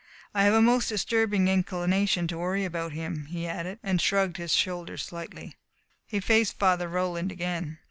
"I have a most disturbing inclination to worry about him," he added, and shrugged his shoulders slightly. He faced Father Roland again.